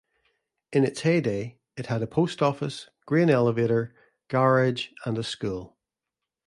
In its heyday, it had a post office, grain elevator, garage, and a school.